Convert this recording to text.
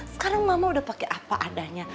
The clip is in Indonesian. sekarang mama udah pakai apa adanya